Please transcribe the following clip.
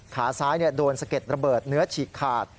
ขาซ้ายโดนสะเก็ดระเบิดเนื้อฉีกขาด